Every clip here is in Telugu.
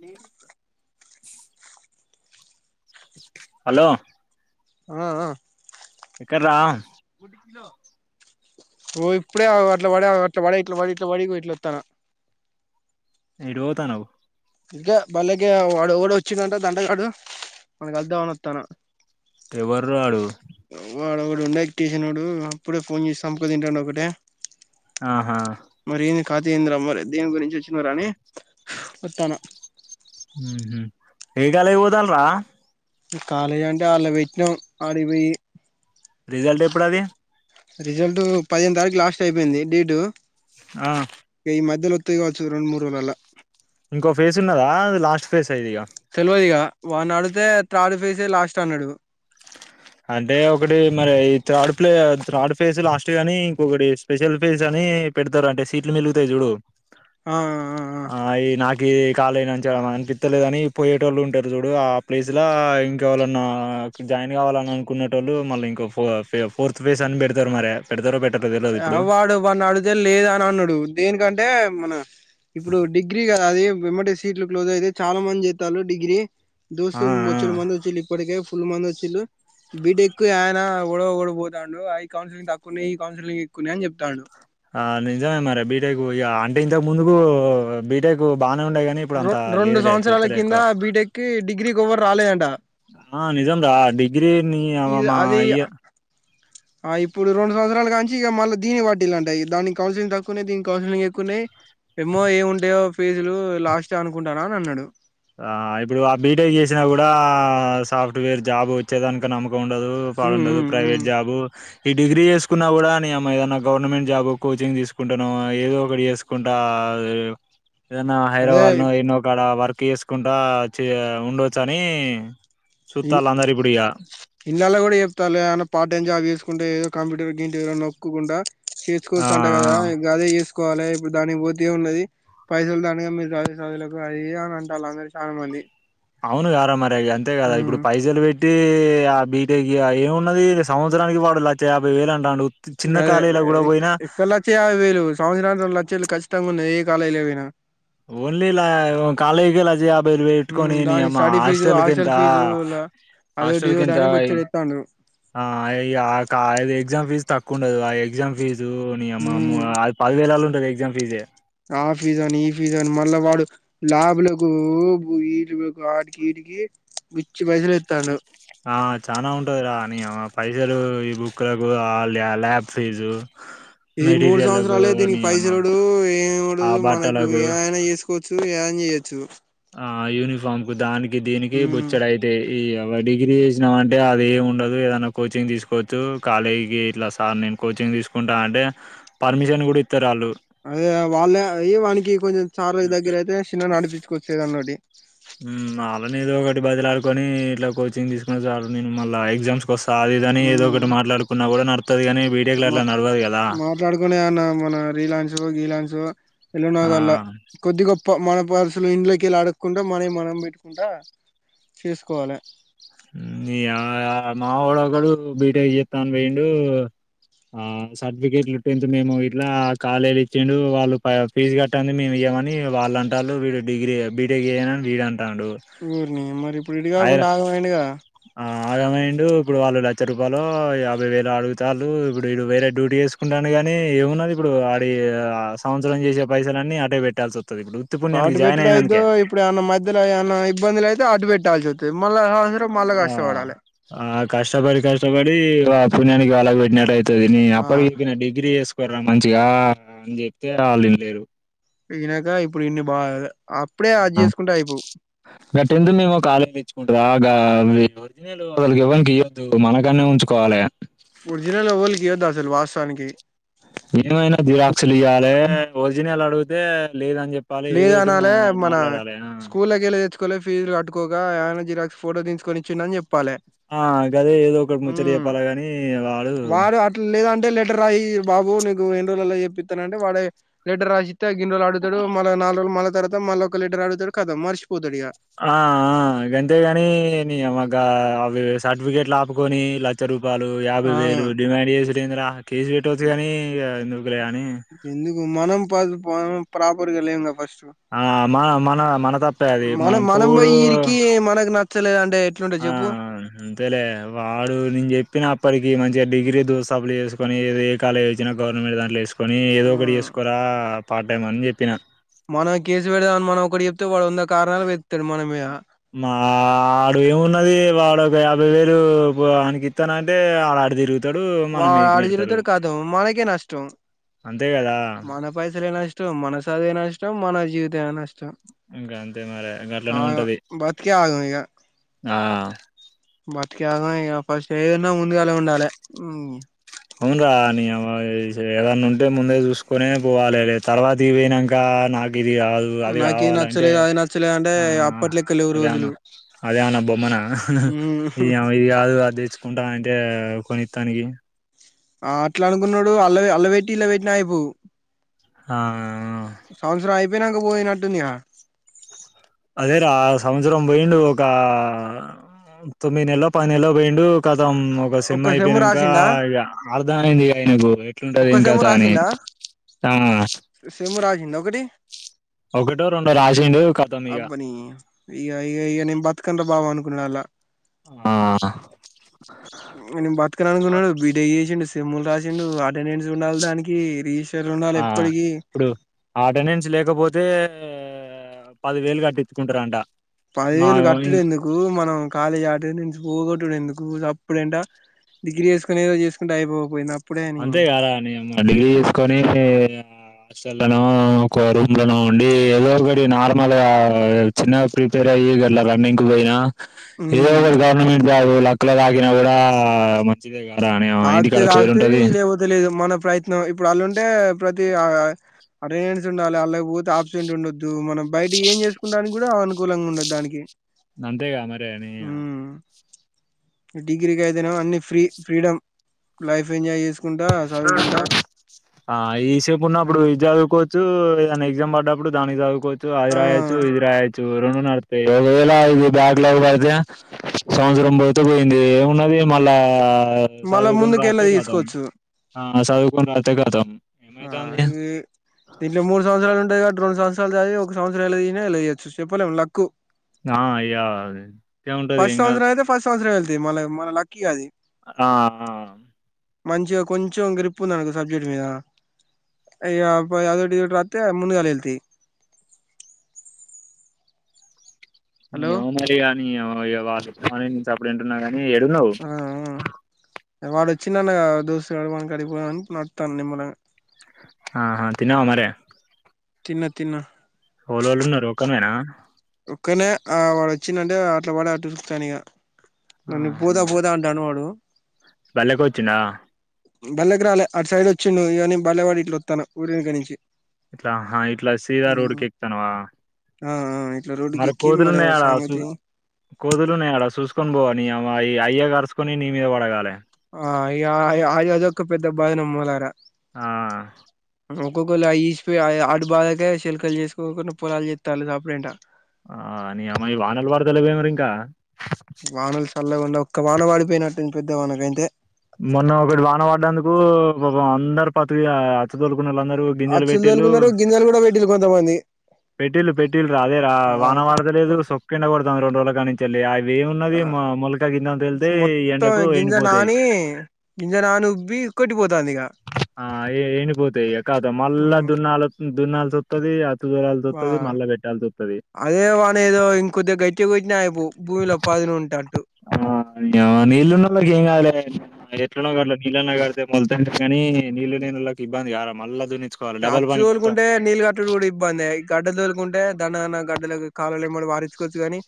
లేరు హలో ఆ ఆ ఎక్కడరా ఓ ఇప్పుడే అగో ఆ అట్ల పడి అట్ల పడి ఇట్ల పడి ఇట్ల పడి ఇగో ఇట్ల ఒత్తాన ఎటు పోతాన్నవు ఇంకా బళ్ళకి వాడెవడో వచ్చిండంట దంటగాడు వాన్ని కళ్దామని వత్తాన ఎవర్రా ఆడు వాడు ఒకడు ఉండే కిషనోడు అప్పుడే ఫోన్ చేసి సంపుక తింటాండు ఒకటే ఆహా కథేందిర మరి దేని గురించి వచ్చినవురా అని ఒత్తాన ఉహు ఏ కాలేజ్ పోతాళ్లు రా ఇగ కాలేజంటే అళ్ళ పెట్నం ఆడికిపోయి రిజల్ట్ ఎప్పుడు అది రిజల్ట్ పదిహేను తారీఖు లాస్ట్ అయిపోయింది డేటు ఆ మధ్యల ఒత్తది కావచ్చు ఈ రెండు మూడు రోజులల్ల ఇంకో ఫేస్ ఉన్నదా అది లాస్ట్ ఫేజ్ ఇది ఇగ తెల్వదిగా వాన్ని అడిగితే థర్డ్ ఫేసే లాస్ట్ అన్నడు అంటే ఒకటి మరి ఈ third play third phase last గాని ఇంకొకటి స్పెషల్ ఫేజ్ అని పెడతరు అంట సీట్లు మిలుగుతయి చూడు ఆ ఆ ఆ గీ కాలేజ్ మంచిగ అనిపిత్తలేదని పోయేటోళ్ళు ఉంటరు చూడు ఆ ప్లేస్లో ఇంకెవళన్నా జాయిన్ కావాలని అనుకునేటోళ్ళు మళ్ళీ ఇంకో ఫోర్త్ ఫేస్ అని పెడతరు మరే పెడతారో పె వాడు వాడిని అడిగితే లేదని అన్నడు దేనికంటే మన ఇప్పుడు డిగ్రీ కదా అది వెమ్మటి సీట్లు క్లోజ్ అయితయి చాలా మంది చెత్తాళ్లు డిగ్రీ ఆ దోస్తు ఆ బొచ్చేడు మంది వచ్చిళ్ళు ఇప్పటికే ఫుల్ మంది వచ్చిళ్లు బిటెక్ అయిన ఎవడో ఒకడు పోతాండు అవి కౌన్సిలింగ్ తక్కువున్నయి ఈ కౌన్సిలింగ్ ఎక్కువున్నయి అని చెప్తాండు ఆ నిజమే మరి బీటెక్ పోయి ఆ అంటే ఇంతకు ముందుకు బీటెక్ బానే ఉండే కానీ ఇప్పుడు రొ అంత రెండు లేదులే సంవత్సరాల చేత్తలే కింద ఎక్కువ బీటెక్ కి డిగ్రీకి ఎవ్వరు రాలేదంట ఆ నిజం రా డిగ్రీ నియవ్వ మా అయ్య ఆ ఇప్పుడు రెండు సంవత్సరాల కాంచి మళ్ళ దీన్ని పట్టిల్లంట దానికి కౌన్సిలింగ్ తక్కువున్నయి దీనికి కౌన్సిలింగ్ ఎక్కువున్నయి ఏమో ఏమి ఉంటాయో ఫీజులు లాస్ట్ అనుకుంటాన అని అన్నాడు ఆ ఇప్పుడు ఆ బీటెక్ చేసినా కూడా సాఫ్ట్వేర్ జాబ్ వచ్చేదానుక నమ్మక ఉండదు ఉమ్ పాడుండదు ఉమ్ ప్రైవేట్ ఉమ్ జాబు ఈ డిగ్రీ చేసుకున్నా కూడా నీయమ్మ ఏదైన్నా గవర్నమెంట్ జాబ్ కోచింగ్ తీసుకుంటనో ఏదో ఒకటి చేసుకుంటా ఆ ఏదనా అదే హైదరాబాద్ల నో ఏడనో ఒకాడా వర్క్ చేసుకుంటా చే ఉండొచ్చని ఇన్ ఇన్నాళ కూడా చెపుతాలు కదాన్న పార్ట్ టైం జాబ్ చేసుకుంటే ఏదో కంప్యూటర్ గింటివో నొక్కుకుంట ఆ చేసుకోవచ్చు అంట కదా ఆ గదే చేస్ కోవాలి ఇప్పుడు దానికి పోతే ఉన్నది పైసలు దండగ మీరు చదివే చదులకు అవి ఇని అంటాలు అందరు చాలా మంది అవును గరామరిగి అంతే కదా ఇప్పుడు ఉమ్ పైసలు పెట్ టె ఆ బీటెక్ ఏమున్నది సంవత్సరానికి వాడు లచ్చ యాభై వేలు అంటాండు చిన్న అదే కాలేజీలో కూడా పోయినా ఎక్కడ లచ్చ యాభై వేలు సంవత్సరానికి రెండు లచ్చలు క తంగున్నేయి ఏ కాలేజీలో పోయిన ఓన్లీలా కాలేజ్ లచ్చ యాభై వేలు పెట్టుకొని దాని నీయమ్మ స్టడీ ఫీజు హాస్టెల్ కెంత హాస్టల్ ఫీజు అదోటి ఇదిోటని బొచ్చడేతాండు ఆ అయ ఇగ ఆ క ఎగ్జామ్ ఫీస్ తక్కు కుండదు ఆ ఎగ్జామ్ ఫీజు నీయమ్మ ఆ ఉమ్ మ పది వేలాలో ఉంటది ఎగ్జామ్ ఫీజే ఫిజా అని ఈ ఫిజాని మళ్ళా వాడు ల్యాబ్లకు అటికి ఇటికి విచ్చి పైసలు ఎతాండు ఆ చానా ఉంటది రా పైసలు ఈ బుక్కులకు ఆ ల్య ల్యాబ్ ఫీజు ఇది మూడు మెటీరియల్లకు సంవత్సరాలే దీనికి నీ అమ్మ పైసరుడు ఆ ఏముండుదు మనకు బట్టలకు ఏమైనా చేసుకోవచ్చు చూ ఏం చేయచ్చు ఆ యూనిఫామ్ కు దానికి దీనికి ఉమ్ బొచ్చడయితయ్ ఈ ఎవ్వ డిగ్రీ చేసినామంటే అది ఏమి ఉండదు ఏదనా కోచింగ్ తీసుకోవచ్చు కాలేజీకి ఇట్లా సార్ని నే కోచింగ్ తీసుకుంటా అంటే పర్మిషన్ కూడా ఇత్తరు వాళ్ళు అదే వాళ్ళ అయ వానికి కొంచెం సారో దగ్గర అయితే చిన్న నడిపించుకొచ్చు ఏదో ఒకటి బదిలడుకొని ఇట్లా కోచింగ్ తీసుకున్న చాలు నేను మళ్ళ ఎగ్జామ్ సాదిదని ఏదో ఉమ్ ఒకటి మాట్లాడుకున్నా కూడా నడుతది కానీ బీటెక్లో మా అట్లా నడవదు కదా మాట్లాడుకునే అన్న మన రీలా గీలాన్సు ఎలానో ఆ గల్ల కొద్ది గొప్ప మ వరుసులు ఇండ్లకెళ్ళి అడగకుండా మనవి మనం పెట్టుకుంటా చేసుకోవాలి మా వొడోకడు బిటెక్ చేత్త అన్ బోయిండు ఆ సర్టిఫికేట్లు టెన్త్ మేము ఇట్లా కాలేజీల ఇచ్చిండు వాళ్ళు ఫీజు కట్టండి మేము ఇయ్యమని వాళ్ళంటాలు వీడు డిగ్రీ బీటేక్ చేయనని వీడం ఓరిని మరి ఇప్పుడు ఎటు కాకుండా ఆగమయిండుగా ఆగమైండు ఇప్పుడు వాళ్ళు లక్ష రూపాయలు యాభై వేలు అడుగుతాలు ఇప్పుడు వీడు వేరే డ్యూటీ చేసుకుంటా నేగాని ఏమున్నది ఇప్పుడు ఆడి ఆ సంవత్సరం చేసే పైసలన్నీ అటే పెట్టాల్సి వస్ ఆటు పెట్టడం అయిద్దో ఇప్పుడు ఏమన్న మధ్యలో ఏమన్న ఇబ్బందులయితే అటు పెట్టాల్సి వ మల్ల సంవత్సరం మళ్ళా ఆ కష్టపడాలి ఆ కష్టపడి కష్టపడి ఆ పుణ్యానికి వాళ్ళకి పెట్టినట్టుయితది నే ఆ అప్పటికి చెప్పిన డిగ్రీ చేస్ చేస్కోరా మంచిగా అని చెప్తే ఆళ్ళు వినలేరు వినక ఇప్పుడు ఇన్ని బాగా గ టెన్త్ మెమో కార్డు తెచ్చుకుంటర గా ఒరిజినల్ వాళ్ళకి ఎవ్వరికీ ఇయ్యొద్దు మనకాడనే ఉంచుకోవాలి. పనికి ఏమైనా జిరాక్సులు ఇయ్యాల ఒఓరిజినల్ అడిగితే లేదం లేద అనాలే మన ఆ స్కూల్కి వెళ్ళి తెచ్చుకోలే ఫీజులు కట్టుకోక అని జిరాక్స్ ఫోటో తీయించుకొనిచ్చిండని అని చెప్పాల. ఆ గదే ఏదో ఒకటి ముచ్చట మ్ చెప్పాలి గాని వాడు వారు అట్లాలేదంటే లెటర్ రాయి బాబు నేను ఎన్ని రోజుల్లో చెప్పిస్తా అంటే వాడు లెటర్ రాసిస్తే గిన్ని రోజుల్లో అడుగుతాడు. నాలుగు రోజుల్లో మళ్ళా తర్వాత మళ్ళా ఒక ఆడుగుతారు ఖతం మరిసిపోతారు. ఆ ఆ గంతేగాని నీయవ్వా గా సర్టిఫికెట్లు ఆపుకొని లక్ష రూపాయలు యాభై ఆ వేలు డిమాండ్ చేసేదిఏందిరా? కేసు పెట్టొచ్చు గాని ఇగ నువ్వు ఎందుకు మనం ప్రాపర్గా లేమ్ గా ఫస్ట్. ఆ మన మన మన తప్పే అది మనం మనం పోయి పోవుడు ఈడికి మనకు నచ్చ ఆ అంతేలే వాడు నేను చెప్పిన అప్పటికి మంచిగా డిగ్రీ దో అప్లై చేసు కొని ఏ కాలేజ్ వచ్చినా గవర్నమెంట్ దాంట్లో చేసుకొని ఏదో ఆ ఒకటి చేసుకోరా పార్ టైం అని చెప్పినా. మనం కేసు పెడదామని మనం ఒకటి చెప్తే వాడు ఉందా మాడు ఏమున్నది వాడు యాభై వేలు ఆనికి ఇస్తానంటే ఆడు అటు తిరుగు తాడు మనం వాడు మీదికి అటు నెడతారు తిరుగుతాడో కాదో మనకే నష్టం అంతే కదా మన పైసలే నష్టం మన చదువే నష్టం మన జీవితమే నష్టం ఇంకా అంతే మరి ఇంకా అట్లనే ఆగం ఉంటది బతికే ఆ బతికానా ఇక ఫస్ట్ ఏదిన్నా ముందుగాలే ఉండాల. అవును రా నీయవ్వా ఏదన్నా ఉంటే ముందే చూసుకునే పోవాలి. లే తర్వాత ఇ పోయినాక నాకు ఇది కాదు అది నాకు ఇది కావాలంటే నచ్చలేదు అది నచ్చలేదు అంటే ఆ అప్పట్లెక్క లేవు రోజులు అదే ఏమన్నా బొమ్మ నా ఇ ఇది కాదు అది తెచ్చుకుంటాను అంటే కొనిత్తానికి ఆ అట్లా అనుకున్నాడు అల్లోపెట్టి ఇల్లో పెట్టినా అయిపోవు. ఆ తినకపోయినట్టుంది కదా. అదే రా సంవత్సరం పోయిండు ఒక తొమ్మిది నెల్లో పది నెల్లో పోయండు కానీ మొత్తం ఒక సెమ్ ఒక్క సెమ్ము అయిపోయినాక రాసిండా అర్థం అయింది ఆయనకు ఎట్లుంటది ఏంకథ అని ఆ సెమ్ రాసిండా ఒకటి. ఒకటో రెండో రాసిండు కతం ఇగ అబ్బని ఇక ఇక ఇక నేను బతుకను రా బాబు అనుకున్నాలా ఆ బతకను అనుకున్నోడు బి. టెక్ చేసిండు సెమ్ లు రాసిండు అటెండెన్స్ ఉండాలి దానికి రీష్ ఆ ఇప్పుడు ఆ అటెండెన్స్ లేకపోతే ఆ అటెండెన్స్ లేకపోతే పది వేలు కట్టిచ్చుకుంటారంట. పదివేలు కట్టడు ఎందుకు మనం కాలేజీ అటెండెన్స్ పోగొట్టటుడు ఎందుకు? ఇప్పుడంట డిగ్రీ చేసుకునేదో చేసుకుంటే అయిపోయిక పోయినా అంతే కదా రా నీయమ్మ డిగ్రీ చేసుకొని హాస్టల్లోనో ఒక రూమ్లోనో ఉండి ఏదో ఒకటి నార్మల్ గా చిన్న ఫ్రీ తర ఇయ గల రన్నినింగ్ కు పోయినా ఏదో ఉమ్ ఒక గవర్నమెంట్ జాబ్ లక్కలో తాకిన కూడా మంచిదే కాదా. కానీ ఆ ఇంటికాడ పేరుండా ది లేవో తెలిదు మన ప్రయత్నం ఇప్పుడు అల్లుంటే ప్రతి ఆ అటెండెన్స్ ఉండాలి అ లేకపోతే ఆబ్సెంట్ ఉండొద్దు మనం బయట ఏం చేసుకుండానికి కూడా అనుకూలంగా ఉండదు దానికి అంతేగా మరే ని హ్మ్ డిగ్రీకి అయితే నేమో అన్ని ఫ్రీ ఫ్రీడమ్ లైఫ్ ఎంజాయ్ చేస్త ఆ ఇంత సేపు ఉన్నప్పుడు అన్ని ఇది చదువుకో చు ఎద్దన్న ఎగ్జామ్ పడ్డప్పుడు దానికి చదువుకోవచ్చు అది ఆ రాయచ్చు ఇది రాయొచ్చు రెండు నడుస్తాయి ఇది బ్యాక్ లాగ్ పడితే సంవత్సరం పోతే పోయింది ఏమున్నది మళ్ళా ఆ మళ్ళా చదువు కొన్ని ముందుకెళ్ళ రాస్తే కాతాం తీసుకోవచ్చు ఆ చదువు కొన్ని రాస్తే కతాం ఆ ఈ దీంలో మూడు సంవత్సరాలు ఉంటదిగా రెండు సంవత్సరాలు చదివి ఒక సంవత్సరం ఎలా నైనా అలా చేయచ్చు చెప్పలేం లాక్కు ఆ అయ్యా ఇంకేం ఉంటది ఎంకాదు ది మన మన లక్కిీ అది ఆ ఆ ఆ ఆ మంచిగా కొంచెం గ్రిప్ ఉందనుకొ సబ్జెక్ట్ మీద అయ్య అదోకటి ఇదోకటి రాస్తే ముందుగాలియి వెళ్తాయి హలో ఏమో మరి కానీ నీ అవ్వ వాళ్ళు ను అప్పుడు వింటున్నా కానీ మే ఏడునవు ఆ వాడు వచ్చిండు అన్న కదా దోస్త్ గాడు వాడి కడకి పోదాం అని నడ్డుస్తున్నా నిమ్మలంగా ఆహా తిన్నావా మరి తిన్న తిన్న ఒక్కనివేనా? ఒక్కనే ఆ వాడు వచ్చిందంటే అట్లా పడి అట్లా ఊరుకుతాన్ ఇక నన్ను బూతా ఆహా! బూదా అంటాడు వాడు బళ్ళేకొచ్చిండా? బలేగరాలే అటు సైడ్ వచ్చి నువు ఇవన్నీ బల్లవాడి ఇట్లా వస్తానా ఊరి ఇగ నుంచి ఇట్లా సీదా హ్మ్ రోడ్డుకి ఎక్కుతానవా ఆ ఆ ఇట్లా రోడ్డుకి మరి ఎక్కి కోతులున్నాయి వాడి అడా చూ సంగతి కోతులు ఉన్నాయి అడా చూసుకొనిపో నీ అవ అయ్య అయ్యె కరుసుకొని నీ మీద పడగాలే ఆ ఇక అది అదొక్క పెద్ద బాధ ని మూలానా ఆ ఒక్కొక్కరు ఈసిపోయి అటు బాధక శిల్కలు చేసుకోకుండా పొలాలు చెస్తారు సపరేట్ ఆ నీ అమ్మా ఈ వానలు పడతల వేమిరా ఇంకా కల్కుండా ఒక్క వాన పడిపోయినట్టు పెద్ద వాన ఇక ఇంతే మొన్న ఒకటి వాన పడ్డందుకు పాపం అందరు పత్తి కి వచ్చి తొలు కుళ్ళ అందరూ గింజలు అచ్చులు పెట్టిళ్లు తోలుకున్నారు గింజలు కూడా పెట్టిలు కొంతమంది పెట్టిళు పెట్టిళ్ళు రా అదే రా ఆ వాన పడత లేదు సొక్కిండ కొడతా రండు రోజుల కా నుంచి వెళ్ళి అ ఏమున్నది ఆ మా మెలకా గింజని వేళ్తే ఈ ఎండకు ఎండిపోతాయి గింజనాను ఉబ్బి కొట్టిపోతంది ఇక ఆ ఎండిపోతాయి ఇక కద మళ్ళా దున్నాల దున్నాల్సొస్తది బ తోలాల్సొస్తది, మళ్ళా పెట్టాల్సొస్తది. అదే వాని ఏదో ఇంకొద్దిగా గట్టి కోట్టిన అయిపో భూమిలో పదును ఉంటా ఆ నీ అవ్వ నీళ్లు ఉన్నోలకి ఏం కాదులే ఎట్లున్నా గట్లా నీళ్ళు అన్న కడితే వద్దంటారు కానీ నీళ్ళ లేనోళ్ళకి ఇబ్బంది కారా మళ్ళ దున్ని హచ్చు తోలుకుంటే నీళ్లు కట్టుడు కూడా ఇబ్బందే గడ్డ తోలుకుంటే దండగ అన్న గ ఇందులోకి కాలవ లేమట వారిచ్చుకోవచ్చు కానీ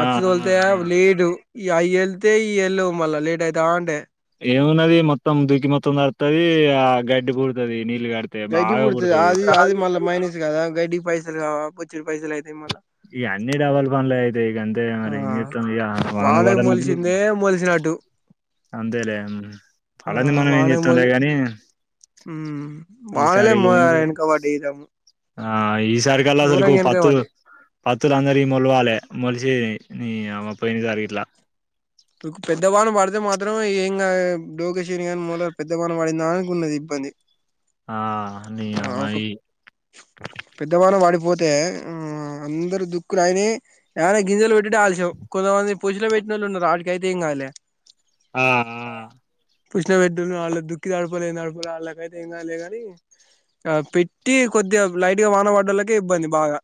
ఆ! హచ్చు ఆ! తోలితే ఆ! లేడు ఈ అవి వెళ్తే ఈ వెళ్ళ మళ్ళా లేట్ అవుతా అంటే ఏమున్నది మొత్తం దుకి మొత్తం దడుత్తది ఆ గడ్డి పుడుతది నీళ్లు కడితే గడ్డి బాగా పుడుతది అది అది మళ్ళా మైనస్ కాదా గడ్డికి పైసలు కావ, బొచ్చడ్ పైసలు అయితయ్ మళ్ళ ఇయ అన్ని డబల్ పనులే తే గంతే ఇగ మరి ఏం ఆ చేస్తాం వానకు ఇంక మొలిసిందే మొలిసినట్టు అంతేలే ఆ అలంది మనం ఏం వానకు చెత్తంలే మొలి గని మ్మ్ వానలే ఈసారి లేదు వెనక పడ్డాయి ఈసారి ఆ ఈసారి కల్లా అసలుకు ఘోరంగా వెనక పత్తు పడ్డాయి పత్తులు అందరియి మొలవాలె మొలి జే నీ యవ్వ పోయినసారి గిట్ల కు పెద్ద వాన పడితే మాత్రం ఏం కాదు డోకసినిక్ గాని మూల పెద్ద వాన పడిందా అనుకున్నది ఇబ్ ది ఆ నీ ఆ యవ్వ ఒక ఈ పెద్దవాన వాడిపోత్ తే ఉమ్ అందరు దుక్కలయినయ్ ఏనా గింజలు పెట్టుడే ఆలస్యం కొంతమంది పూజలో పెట్నోళ్లు ఉన్నరు ఆడికైతే ఏం కాదులే ఆ ఆ పుష్న పెట్టని వాళ్లు దుక్కిదడపలే ఏం నాడు కూడా వాళ్ళకైతే ఏం కాదులే కాని ఆ పెట్టి కొద్దిగా లైట్గా వాన పడ్డోళ్ళకే ఇబ్బంది బాగా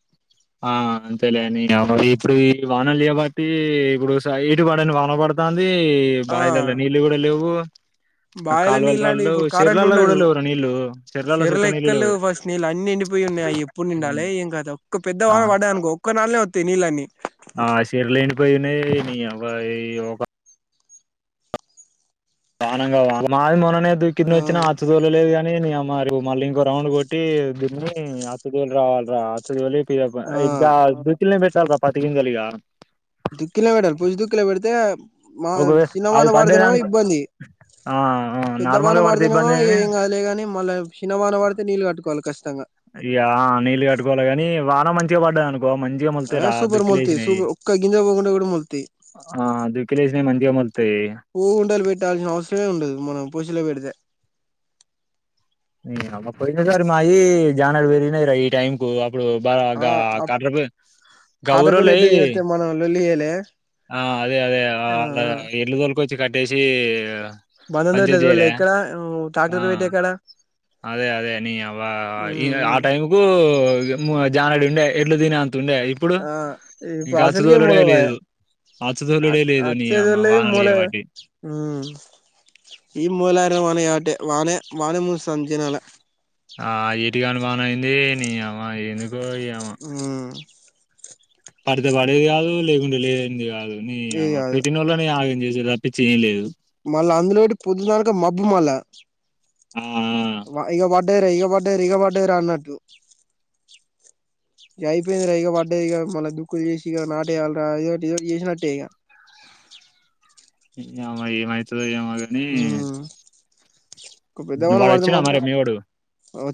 ఆ అంతేలేని నీ యవ్వ ఇప్పుడు ఈ ఈ వానలు చేయబట్టి ఇప్పుడు స ఎటు పడని వాన పడతాంది దీ బావిలల్ల నీళ్లు కూడా లెవ్వు బాయల నీళ్ళు అన్ని ఇప్పుడు కరెంటు చెర్లల్లో కూడా ఉండదు, లేవురా నీళ్ళు చెర్లల్లో చెర్ల సుక్క నీళ్ళు లేవు ఎక్కలెవ్వు ఫస్ట్ నీళ్ళు అన్ని నిండిపోయి ఉన్నయి అయి ఎప్పుడు నిండాలే ఏం కతం, ఒక్క పెద్ద ఆ వాన పడ్డదనుకు ఒక్క నళ్ళనే వత్తయ్ నీళ్ళని ఆ సిర లేని పోయినై నీ యవ్వ ఈ ఒక బానంగా వ మాది మొన్న నే దుక్కిని ఆ వచ్చినా ఆచ్చ దూలలేదుగాని నీ యమ్మ మళ్ళీ ఇంకో రౌండ్ కొట్టి దిన్ని అచ్చదోలీ రావాలిరా అచ్చదోలి ఇదప ఆ ఇంకా దత్తులనే పెట్టాల్ర పత్తి గింజలిగా దుక్కిిలో పెట్టాలి పుజ దుక్కీలో పెడితే మా ఒకవే అవి సినిమాన పడుతేనేమో పడ్డేదానికి ఇబ్బంది. ఆ ఆ పెద్ద నార్మల్ వానే గా పడితే పడితేనేమో ఇబ్బందే ఇగ గాని ఏం కాదులేగానీ మళ్ళ చిన్న వానే పడితే నీళ్ళు కట్టుకోవాలి కష్ య్యా నీళ్ళు కట్టుకోవాలి గని వాన మంచిగా పడ్డదనుకో ఆ సూపర్ మొల్తయి సూపర్ ఒక్క గింజా పోకుండా కూడా మొల్తయ్ ఆ దుక్కిలేసినయి మంచిగా మొలుతాయి పూవ్ ఉండలు పెట్టాల్సిన అవసరమే ఉండదు మనం పూసులో పెడితే నీ యవ్వ పోయిన సారి మాయి జానెడు పెరిగినయి రా ఈ టైం కు అప్ ఇప్పుడు బాగా ఆ గా కట్లపొయ్యి కాటపల్లి గౌరోల్లయ్ ఎడ్డు చేస్తే మనం లొల్లి చేయలే ఆ అదే అదే ఆ అళ్లా నీల్లు తొలకొచ్చి కట్టేసి బంద పంచాయత్ నేట్లో చేయలే లేదు ఇక్కడ ఏమో ఆ టాక్టర్ పెట్టే కాడ అదే అదే నీ యవ్వ ఈనే ఆ ఉమ్ టైం కు జానేడు ఉండే ఎడ్లు తిన అం ఆ ఇప్పుడు అసల్కే అచ్చుతోలుడే మూలవవాయే లేదు అచ్చుతోలుడే అట్ లేదు అట్ నీ అమ్మ సైడోల్లది వానలు మోల ఇగ పట్టి ఉమ్ ఈ మోల వానే కాబట్టి వానే వానె ముంచుతాంది జనాల ఆ ఎటు కాని వాన అయింది నీ యవ్వ ఎందుకు ఇయవ్య ఉమ్ పడితే పడేది కాదు లేకుంటే లేనిది కాదు, నీ ఇది యవ్వ కాదు పెట్టినోల్లనీ ఆగం చేసి చేయలేదు మోల్ల ఆ వ ఆ ఇగ పడ్డాయి రా, ఇగ పడ్డారు రా, ఇగ పడ్డాయి రా అన్నట్లు [inaudible] ఇక అయిపోయింది రా ఇక పడ్డది ఇక మళ్ళీ దుక్కులు చేసి ఇగ నాట్ ఎయ్యాలి రా ఎదో ఏదో ఒకటి చేసినట్టే ఇగ ఆ నియమా ఏమయతదొ ఏమో కాని ఉమ్ ఒక పెద్దవాన వాడు పడితే వచ్చిండా మరే మాత్రం మీవోడు ఓ